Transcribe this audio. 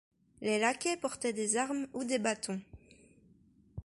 Les laquais portaient des armes ou des batons.